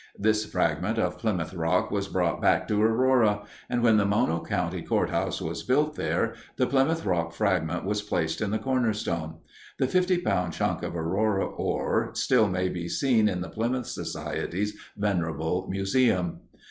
This fragment of Plymouth Rock was brought back to Aurora, and when the Mono County courthouse was built there, the Plymouth Rock fragment was placed in the cornerstone. The fifty pound chunk of Aurora ore still may be seen in the Plymouth Society's venerable museum.